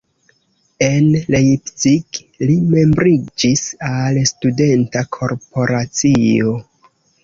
En Leipzig li membriĝis al studenta korporacio.